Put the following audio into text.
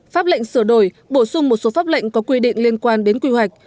pháp lệnh sửa đổi bổ sung một số pháp lệnh có quy định liên quan đến quy hoạch